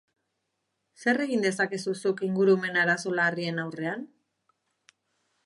Zer egin dezakezu zuk ingurumen arazo larrien aurrean?